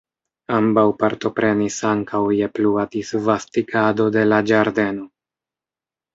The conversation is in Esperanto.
Ambaŭ partoprenis ankaŭ je plua disvastigado de la ĝardeno.